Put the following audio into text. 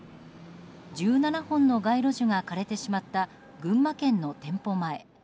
１７本の街路樹が枯れてしまった群馬県の店舗前。